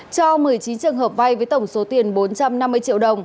cho một mươi chín trường hợp vai với tổng số tiền bốn trăm năm mươi triệu đồng